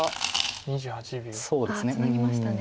ツナぎましたね。